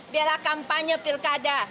biarlah kampanye pilkada